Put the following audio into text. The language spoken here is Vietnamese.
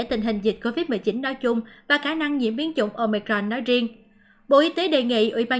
tình hình dịch covid một mươi chín nói chung và khả năng diễn biến dụng omicron nói riêng